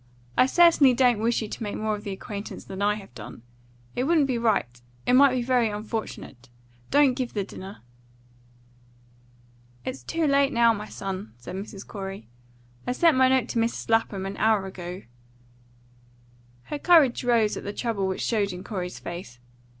I certainly don't wish you to make more of the acquaintance than I have done. It wouldn't be right; it might be very unfortunate. Don't give the dinner!" "It's too late now, my son," said Mrs. Corey. "I sent my note to Mrs. Lapham an hour ago." Her courage rose at the trouble which showed in Corey's face.